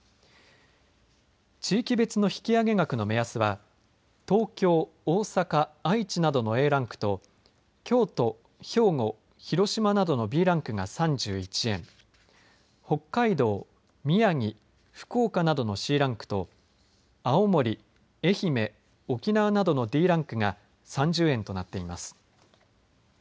地域別の引き上げ額の目安は、東京、大阪、愛知などのＡランクと、京都、兵庫、広島などのＢランクが３１円、北海道、宮城、福岡などのＣランクと、青森、愛媛、沖縄などのＤランクが３０円となっています。